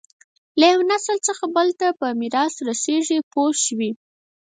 له یوه نسل څخه بل ته په میراث رسېږي پوه شوې!.